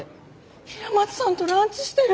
平松さんとランチしてる！